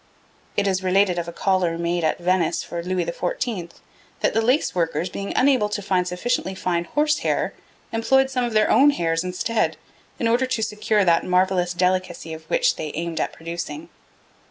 It is related of a collar made at Venice for Louis XIV. that the lace workers, being unable to find sufficiently fine horse hair, employed some of their own hairs instead, in order to secure that marvellous delicacy of work which they aimed at producing.